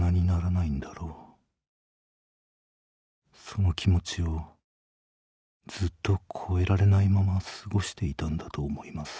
その気持ちをずっと越えられないまま過ごしていたんだと思います」。